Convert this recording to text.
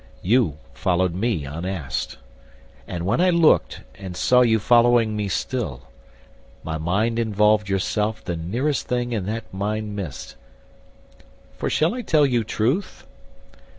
You followed me unasked; And when I looked, and saw you following me still, My mind involved yourself the nearest thing In that mind mist: for shall I tell you truth?